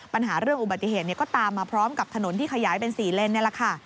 ปัญหาเรื่องอุบัติเหตุก็ตามมาพร้อมกับถนนที่ขยายเป็น๔เลนนี่แหละค่ะ